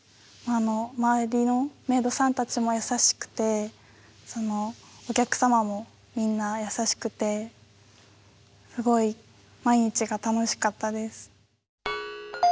周りのメイドさんたちも優しくてお客様もみんな優しくてすごい毎日が楽しかったです。